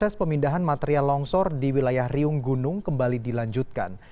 proses pemindahan material longsor di wilayah riung gunung kembali dilanjutkan